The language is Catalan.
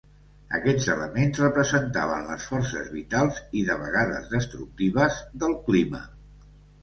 Aquests elements representaven les forces vitals i, de vegades destructives, del clima.